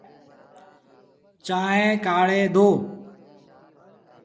چآنه ڪآڙي دو۔